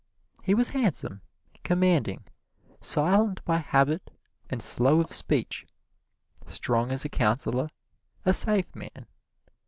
He was handsome, commanding, silent by habit and slow of speech, strong as a counselor, a safe man.